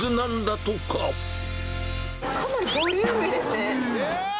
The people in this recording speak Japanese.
かなりボリューミーですね。